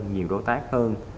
nhiều đối tác hơn